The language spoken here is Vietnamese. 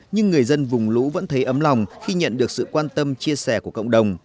nhưng người dân vùng lũ vẫn thấy ấm lòng khi nhận được sự quan tâm chia sẻ của cộng đồng